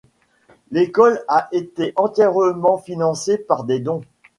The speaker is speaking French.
L'école a été entièrement financé par des dons.